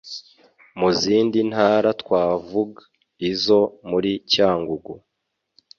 Mu zindi ntara twavug ,izo muri Cyangugu